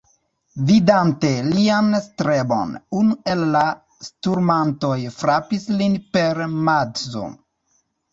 Vidante lian strebon, unu el la sturmantoj frapis lin per madzo.